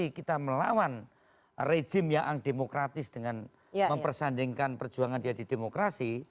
jadi kita melawan rejim yang demokratis dengan mempersandingkan perjuangan dia di demokrasi